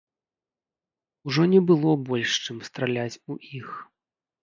Ужо не было больш чым страляць у іх.